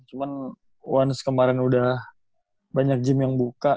cuma once kemarin udah banyak gym yang buka